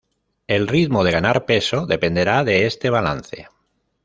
El ritmo de ganar peso dependerá de este balance.